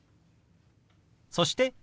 そして「日」。